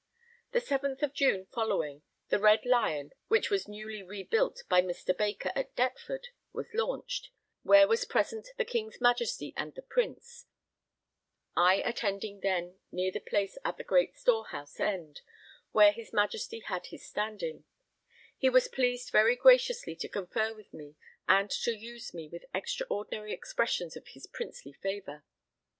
The 7th of June following, the Red Lion, which was newly rebuilt by Mr. Baker at Deptford, was launched; where was present the King's Majesty and the Prince, I attending then near the place at the great storehouse end, where his Majesty had his standing; he was pleased very graciously to confer with me and to use me with extraordinary expressions of his princely favour.